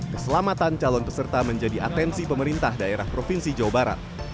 keselamatan calon peserta menjadi atensi pemerintah daerah provinsi jawa barat